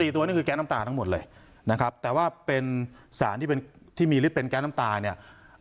ตัวนี่คือแก๊สน้ำตาทั้งหมดเลยนะครับแต่ว่าเป็นสารที่เป็นที่มีฤทธิเป็นแก๊สน้ำตาเนี่ย